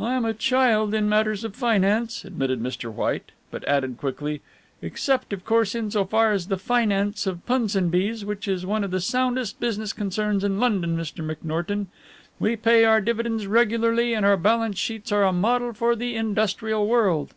"I am a child in matters of finance," admitted Mr. White, but added quickly, "except, of course, in so far as the finance of Punsonby's, which is one of the soundest business concerns in London, Mr. McNorton. We pay our dividends regularly and our balance sheets are a model for the industrial world."